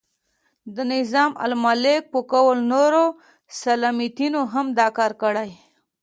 د نظام الملک په قول نورو سلاطینو هم دا کار کړی.